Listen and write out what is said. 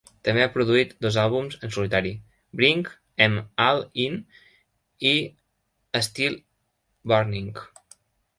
També ha produït dos àlbums en solitari, "Bring 'em All In"i "Still Burning".